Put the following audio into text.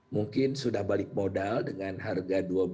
mungkin sudah balik modal dengan harga